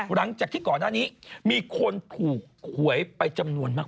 หลังจากที่ก่อนหน้านี้มีคนถูกหวยไปจำนวนมาก